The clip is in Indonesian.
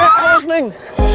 eh harus neng